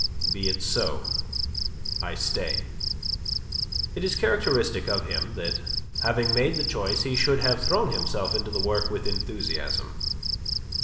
Be it so. I stay." It is characteristic of him that, having made that choice, he should have thrown himself into the work with enthusiasm.